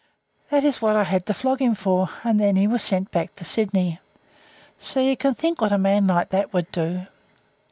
That is what I had to flog him for, and then he was sent back to Sydney. So you can just think what a man like that would do.